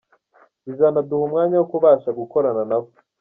Bizanaduha umwanya wo kubasha gukorana nabo.”